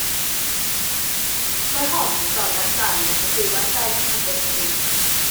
Mae hon yn stori am gawr oedd yn byw ar ben Cader Idris.